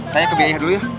saya ke biaya dulu ya